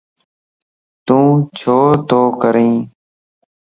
تو ڇو تو ڪرين؟